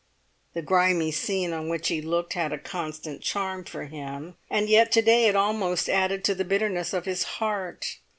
The grimy scene on which he looked had a constant charm for him, and yet to day it almost added to the bitterness of his heart.